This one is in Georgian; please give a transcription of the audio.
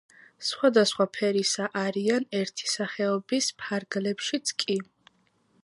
სხვადასხვა ფერისა არიან ერთი სახეობის ფარგლებშიც კი.